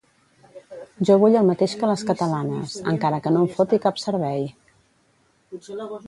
Jo vull el mateix que les catalanes, encara que no em foti cap servei.